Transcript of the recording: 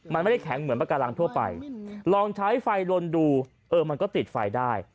มันไม่ได้แข็งเหมือนปากการังทั่วไปลองใช้ไฟลนดูเออมันก็ติดไฟได้